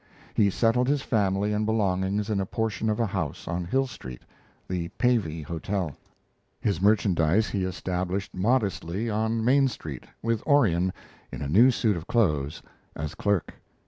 He settled his family and belongings in a portion of a house on Hill Street the Pavey Hotel; his merchandise he established modestly on Main Street, with Orion, in a new suit of clothes, as clerk.